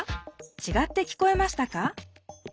ちがって聞こえましたか？